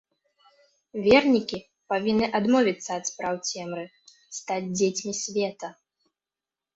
Вернікі павінны адмовіцца ад спраў цемры, стаць дзецьмі света.